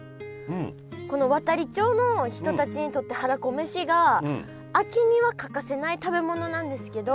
この亘理町の人たちにとってはらこめしが秋には欠かせない食べ物なんですけど。